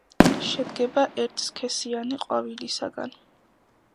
შედგება ერთსქესიანი ყვავილისაგან.